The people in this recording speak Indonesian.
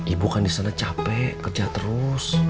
ibu kan disana capek kerja terus